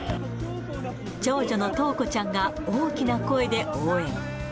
長女の桃子ちゃんが大きな声で応援。